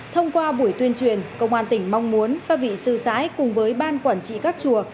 thông qua buổi tuyên truyền công an tỉnh mong muốn các vị sư sãi cùng với ban quản trị các chùa